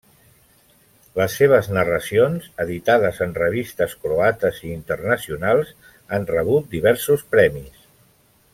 Les seves narracions, editades en revistes croates i internacionals, han rebut diversos premis.